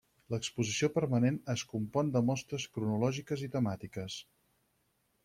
L'exposició permanent es compon de mostres cronològiques i temàtiques.